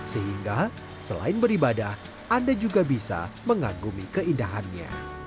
sehingga selain beribadah anda juga bisa mengagumi keindahannya